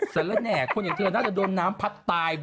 สารแหน่คนอย่างเธอน่าจะโดนน้ำพัดตาย